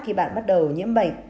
khi bạn bắt đầu nhiễm bệnh